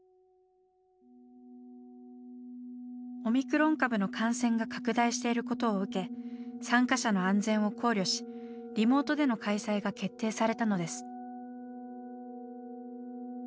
オミクロン株の感染が拡大していることを受け参加者の安全を考慮しリモートでの開催が決定されたのです。